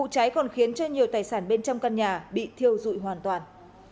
các tài sản bên trong căn nhà bị thiêu dụi hoàn toàn